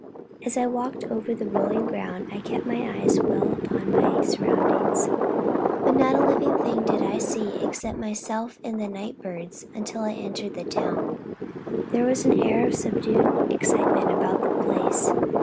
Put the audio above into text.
As I walked over the rolling ground, I kept my eyes well upon my surroundings; but not a living thing did I see except myself and the night birds until I entered the town. There was an air of subdued excitement about the place.